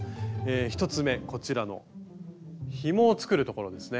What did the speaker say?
１つ目こちらの「ひもを作る」ところですね。